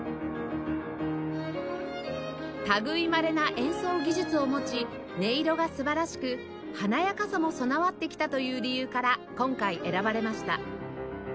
類いまれな演奏技術を持ち音色が素晴らしく華やかさも備わってきたという理由から今回選ばれました